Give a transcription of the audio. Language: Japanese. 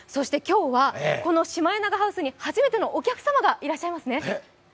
今日はこのシマエナガハウスに初めてのお客様がいらっしゃいますね。